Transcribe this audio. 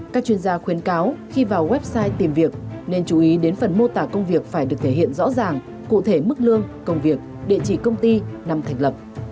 các chuyên gia khuyến cáo khi vào website tìm việc nên chú ý đến phần mô tả công việc phải được thể hiện rõ ràng cụ thể mức lương công việc địa chỉ công ty năm thành lập